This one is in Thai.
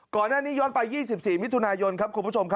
ก่อนหน้านี้ย้อนไป๒๔มิถุนายนครับคุณผู้ชม